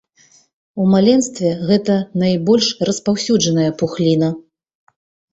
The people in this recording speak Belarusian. У маленстве гэта найбольш распаўсюджаная пухліна.